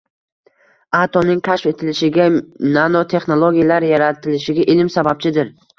Atomning kashf etilishiga, nanotexnologiyalar yaratilishiga ilm sababchidir